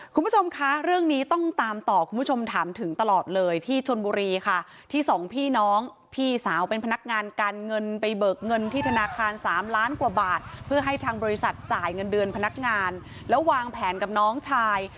คุณผู้ชมคะเรื่องนี้ต้องตามต่อคุณผู้ชมถามถึงตลอดเลยที่ชนบุรีค่ะที่สองพี่น้องพี่สาวเป็นพนักงานการเงินไปเบิกเงินที่ธนาคาร๓ล้านกว่าบาทเพื่อให้ทางบริษัทจ่ายเงินเดือนพนักงานแล้ววางแผนกับน้องชาย